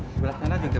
untuk apa itu kita